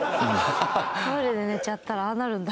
トイレで寝ちゃったらああなるんだ。